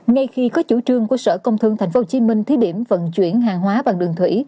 ngay khi có chủ trương của sở công thương tp hcm thí điểm vận chuyển hàng hóa bằng đường thủy